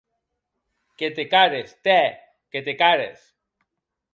Que te cares, tè, que te cares.